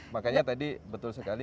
makanya tadi betul sekali